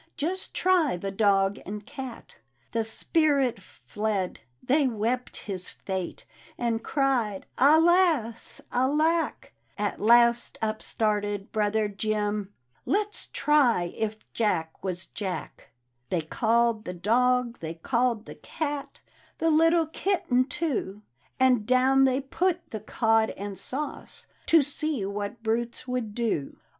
Just try the dog and cat I " The spirit fled, they wept his fate, And cried Alas, Alack 1 At last up started brother Jim —" Let's try if Jack, was Jackl " They called the Dog, they called the Cat, The little Kitten, too, And down they put the Cod and sauce To see what brutes would do.